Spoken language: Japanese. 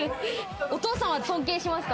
お父さんは尊敬しますか？